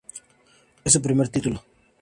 Fue su primer título.